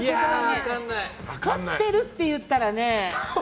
太ってるっていったらね。